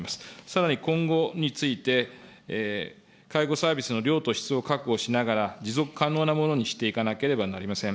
さらに今後について、介護サービスの量と質を確保しながら、持続可能なものにしていかなければなりません。